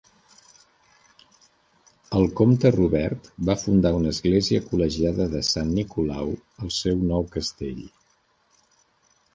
El comte Robert va fundar una església col·legiada de Sant Nicolau al seu nou castell.